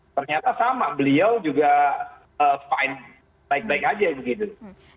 ternyata sama beliau juga fine baik baik aja begitu